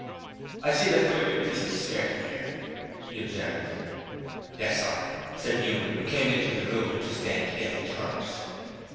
'I see they've put a new piece of skirting here,' he observed. 'Yes, sir,' said Newman, who came into the room just then to get the turps.